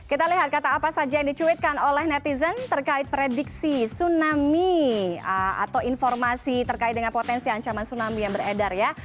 kita lihat kata apa saja yang dicuitkan oleh netizen terkait prediksi tsunami atau informasi terkait dengan potensi ancaman tsunami yang beredar ya